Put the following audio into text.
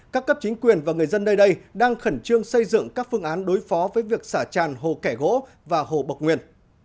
các cấp chính quyền và người dân nơi đây đang khẩn trương xây dựng các phương án đối phó với việc xả tràn hồ kẻ gỗ và hồ bọc nguyên